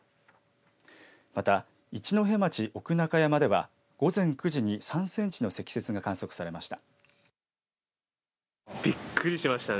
また一戸町奥中山では午前９時に３センチの積雪が観測されました。